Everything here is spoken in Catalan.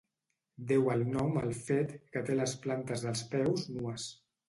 Deu el nom al fet que té les plantes dels peus nues.